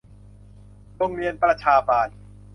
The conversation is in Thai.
โรงเรียนประชาบาล